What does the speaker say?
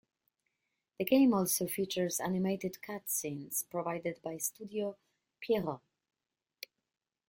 The game also features animated cut scenes, provided by Studio Pierrot.